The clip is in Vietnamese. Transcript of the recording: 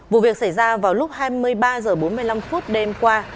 vụ việc xảy ra vào lúc hai mươi ba h bốn mươi năm đêm qua